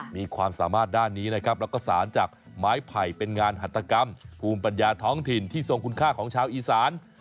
มีความสามารถด้านนี้นะครับแล้วก็สารจากไม้ไผ่เป็นงานหัตกรรมภูมิปัญญาท้องถิ่นที่ทรงคุณค่าของชาวอีสาน